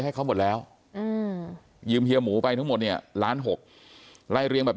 ให้เขาหมดแล้วยืมเฮียหมูไปทั้งหมดเนี่ยล้านหกไล่เรียงแบบ